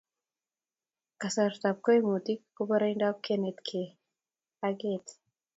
Kasartap koimutik ko poroindap kenetkey ak keet